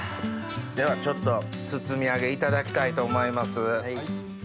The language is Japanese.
ではちょっと包み揚げいただきたいと思います。